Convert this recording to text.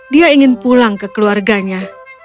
dia ingin pulang ke keluarganya